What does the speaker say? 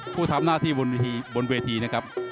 ผู้ทำหน้าที่บนเวทีนะครับ